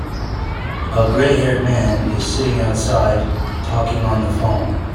A grayhaired man is sitting outside talking on the phone.